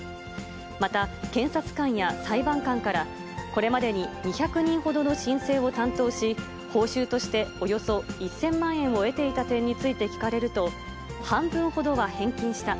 また検察官や裁判官から、これまでに２００人ほどの申請を担当し、報酬としておよそ１０００万円を得ていた点について聞かれると、半分ほどは返金した。